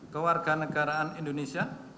kewarga negaraan indonesia